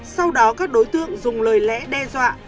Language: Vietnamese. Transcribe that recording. sau đó các đối tượng dùng lời lẽ đe dọa